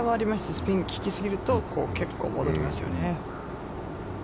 スピンがきき過ぎると結構戻りますよね。